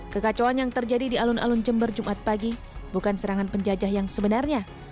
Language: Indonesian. kekacauan yang terjadi di alun alun jember jumat pagi bukan serangan penjajah yang sebenarnya